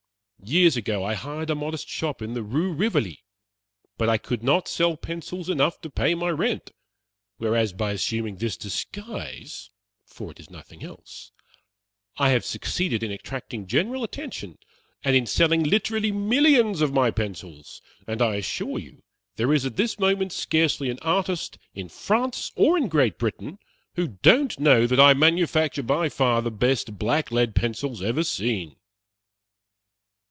Years ago, I hired a modest shop in the Rue Rivoli, but I could not sell pencils enough to pay my rent, whereas, by assuming this disguise it is nothing else I have succeeded in attracting general attention, and in selling literally millions of my pencils; and I assure you there is at this moment scarcely an artist in France or in Great Britain who don't know that I manufacture by far the best blacklead pencils ever seen."